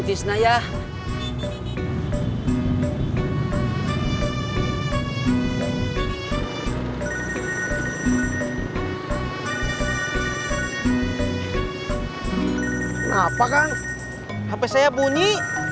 kenapa kan hp saya bunyi